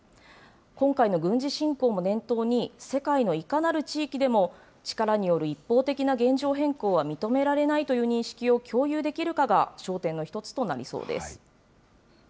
今回の軍事侵攻も念頭に、世界のいかなる地域でも力による一方的な現状変更は認められないという認識を共有できるかが焦点の一つとなりそうです。